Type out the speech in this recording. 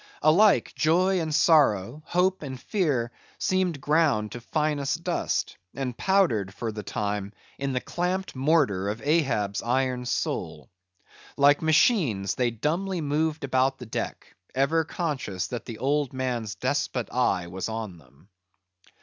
Alike, joy and sorrow, hope and fear, seemed ground to finest dust, and powdered, for the time, in the clamped mortar of Ahab's iron soul. Like machines, they dumbly moved about the deck, ever conscious that the old man's despot eye was on them.